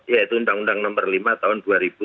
yaitu undang undang nomor lima tahun dua ribu dua